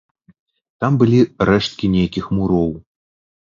Там былі рэшткі нейкіх муроў.